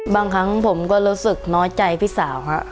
บางครั้งผมก็รู้สึกน้อยใจพี่สาวครับ